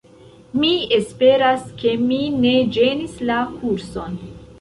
Mi esperas ke mi ne ĝenis la kurson.